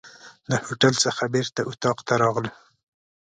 د هوټل څخه بیرته اطاق ته راغلو.